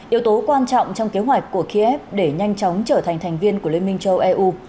yếu tố quan trọng trong kế hoạch của kiev để nhanh chóng trở thành thành viên của liên minh châu âu